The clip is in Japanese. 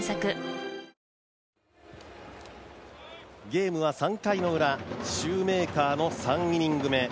ゲームは３回のウラ、シューメーカーの３イニング目。